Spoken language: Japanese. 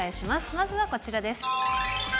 まずはこちらです。